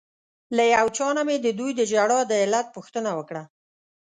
له یو چا نه مې ددوی د ژړا د علت پوښتنه وکړه.